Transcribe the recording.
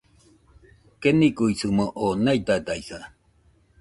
Keniguisɨmo oo naidadaisa